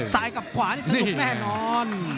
กับขวานี่สนุกแน่นอน